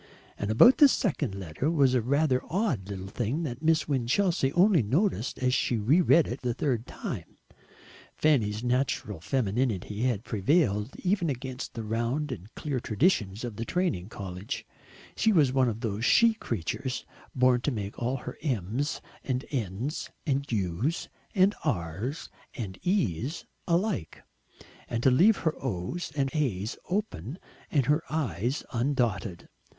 And about this second letter was a rather odd little thing that Miss Winchelsea only noticed as she re read it the third time. Fanny's natural femininity had prevailed even against the round and clear traditions of the training college; she was one of those she creatures born to make all her m's and n's and u's and r's and e's alike, and to leave her o's and a's open and her i's undotted.